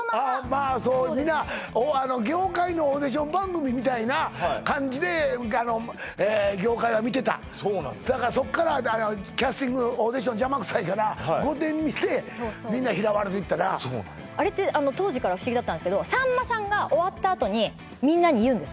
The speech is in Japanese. みんな業界のオーディション番組みたいな感じで業界は見てただからそこからキャスティングオーディション邪魔くさいから「御殿」見てみんな拾われていったなあれって当時から不思議だったんですけどさんまさんが終わったあとにみんなに言うんですか？